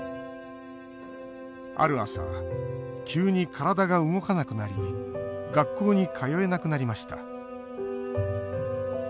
ある朝、急に体が動かなくなり学校に通えなくなりました。